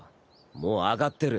もう上がってる。